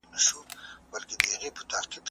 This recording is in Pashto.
هغه په ډېرې خوښۍ سره خپلې خبرې کولې.